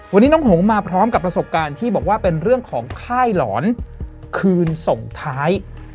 วันนี้น้องหงมาพร้อมกับประสบการณ์ที่บอกว่าเป็นเรื่องของค่ายหลอนคืนส่งท้าย